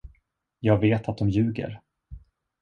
Jag vet att de ljuger.